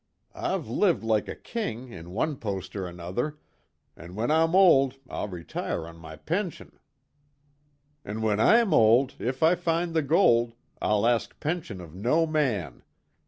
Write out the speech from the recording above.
I've lived like a king in one post an' another an' when I'm old I'll retire on my pension." "An' when I'm old, if I find the gold, I'll ask pension of no man.